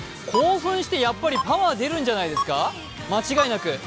興奮してやっぱりパワー出るんじゃないですか、間違いなく。